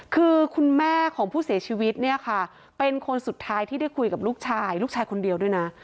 คือคุณแม่ของผู้เสียชีวิตเนี่ยค่ะเป็นคนสุดท้ายที่ได้คุยกับลูกชายลูกชายคนเดียวด้วยนะ